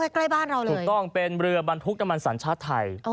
ใกล้บ้านเราเลยถูกต้องเป็นเรือบรรทุกน้ำมันสัญชาติไทย